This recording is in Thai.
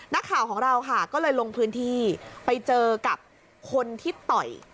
นักข่าวของเราค่ะก็เลยลงพื้นที่ไปเจอกับคนที่ต่อย